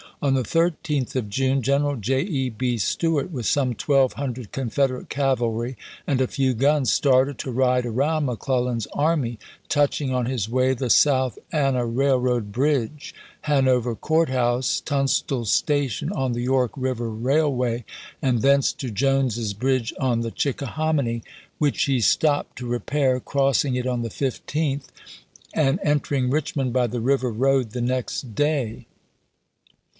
On the 13th of June, General J. E. B. Stuart, with some twelve hundred Confederate cavalry and a few guns, started to ride around McClellan's army ; touching on his way the South Anna Railroad bridge, Hanover Court House, Tunstall's Station on the York River Railway, and thence to Jones's Bridge on the Chick ahominy, which he stopped to repair, crossing it on June. 18C2. the 15th, and entering Richmond by the river road the next day.